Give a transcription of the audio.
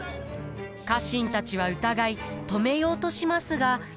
家臣たちは疑い止めようとしますが。